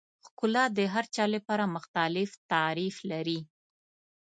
ښکلا د هر چا لپاره مختلف تعریف لري.